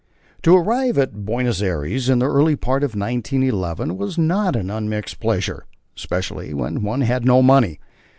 To arrive at Buenos Aires in the early part of 1911 was not an unmixed pleasure, especially when one had no money.